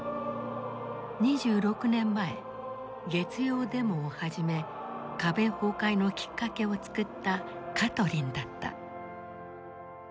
２６年前月曜デモを始め壁崩壊のきっかけを作ったカトリンだった。